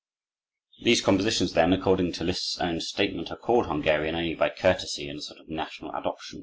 These compositions, then, according to Liszt's own statement, are called "Hungarian" only by courtesy and a sort of national adoption.